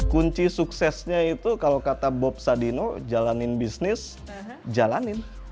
kunci suksesnya itu kalau kata bob sadino jalanin bisnis jalanin